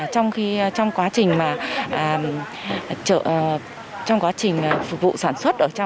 trong quá trình phục vụ sản xuất